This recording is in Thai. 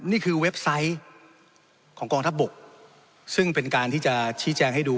เว็บไซต์ของกองทัพบกซึ่งเป็นการที่จะชี้แจงให้ดู